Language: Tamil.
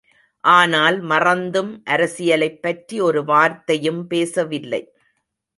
ஆனால் மறந்தும் அரசியலைப் பற்றி ஒரு வார்த்தையும் பேசவில்லை.